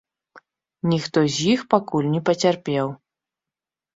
Ніхто з іх пакуль не пацярпеў.